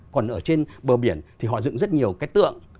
còn ở trên bờ biển thì họ dựng rất nhiều cách tượng